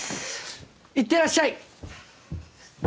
いってらっしゃい！